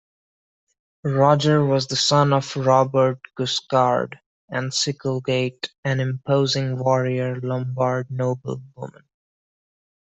Roger was the son of Robert Guiscard and Sikelgaita, an imposing warrior Lombard noblewoman.